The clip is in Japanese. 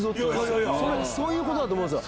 そういうことだと思うんですよ